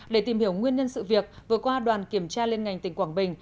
để tìm hiểu nguyên nhân sự việc vừa qua đoàn kiểm tra liên ngành tỉnh quảng bình